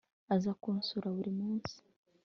aza kunsura buri munsi